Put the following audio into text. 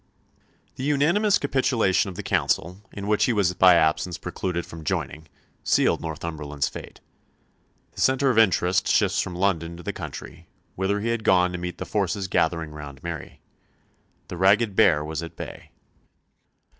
The unanimous capitulation of the Council, in which he was by absence precluded from joining, sealed Northumberland's fate. The centre of interest shifts from London to the country, whither he had gone to meet the forces gathering round Mary. The ragged bear was at bay.